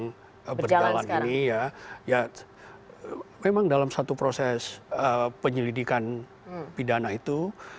yang berjalan ini ya memang dalam satu proses penyelidikan pidana itu